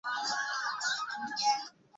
কিছু দেখতে পাচ্ছ?